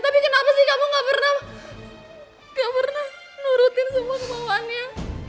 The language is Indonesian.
tapi kenapa sih kamu gak pernah gak pernah nurutin semua kemauannya